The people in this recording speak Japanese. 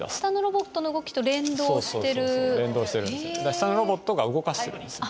下のロボットが動かしてるんです。